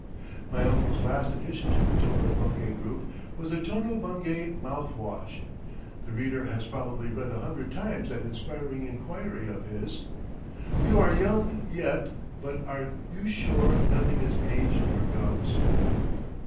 My uncle's last addition to the Tono Bungay group was the Tono Bungay Mouthwash. The reader has probably read a hundred times that inspiring inquiry of his, "You are Young Yet, but are you Sure Nothing has Aged your Gums?"